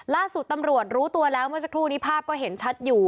ล่าสุดตำรวจรู้ตัวแล้วเมื่อสักครู่นี้ภาพก็เห็นชัดอยู่